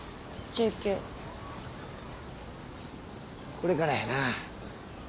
これからやな。